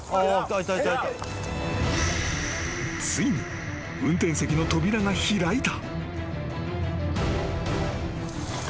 ［ついに運転席の扉が開いた］